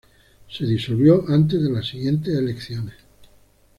Se disolvió antes de las siguientes elecciones.